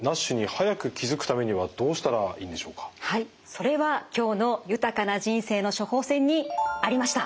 それは今日の「豊かな人生の処方せん」にありました。